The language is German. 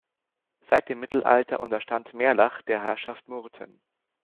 Seit dem Mittelalter unterstand Merlach der Herrschaft Murten.